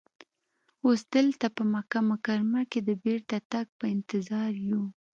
اوس دلته په مکه مکرمه کې د بېرته تګ په انتظار یو.